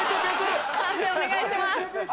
判定お願いします。